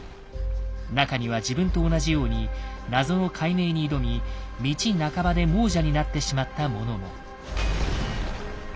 中には自分と同じように謎の解明に挑み道半ばで亡者になってしまった者も。